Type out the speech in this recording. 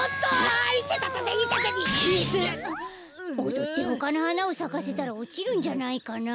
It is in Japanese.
おどってほかのはなをさかせたらおちるんじゃないかな。